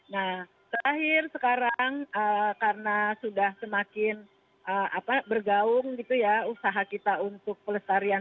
nah terakhir sekarang karena sudah semakin bergaung gitu ya usaha kita untuk pelestarian